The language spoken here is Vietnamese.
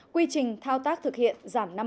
quy trình thao tác thực hiện giảm năm mươi